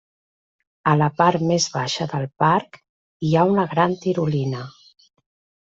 A la part més baixa del parc hi ha una gran tirolina.